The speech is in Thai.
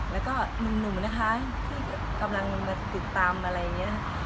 แล้วก็หนุ่มนะคะที่กำลังมาติดตามอะไรอย่างนี้